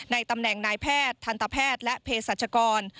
ในตำแหน่งนายแพทย์ทันทะแพทย์และเพศจัตริย์ชะกร